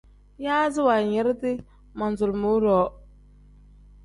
Yaazi wanyiridi manzulumuu-ro.